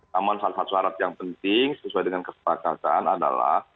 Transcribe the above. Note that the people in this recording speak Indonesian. namun salah satu syarat yang penting sesuai dengan kesepakatan adalah